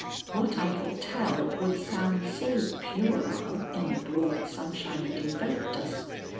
What I could tell would sound so puerile in the broad sunshine that enveloped us.